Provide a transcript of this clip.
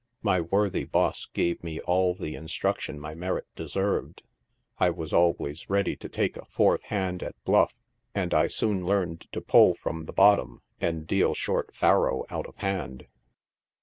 My worthy boss gave me all the instruction my merit deserved 5 I was always readyto take a fourth hand at bluff, and I soon learned to pull from the bottom, and deal short faro out of hand.